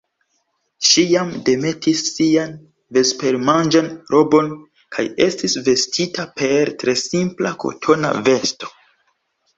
Ŝi jam demetis sian vespermanĝan robon kaj estis vestita per tre simpla kotona vesto.